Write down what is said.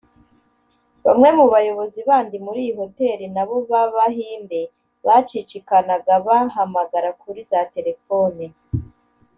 Bamwe mu bayobozi bandi muri iyi Hotel nabo b’Abahinde bacicikanaga bahamagara kuri za telephone